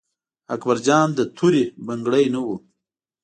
اکبر جان د تورې بنګړي نه و.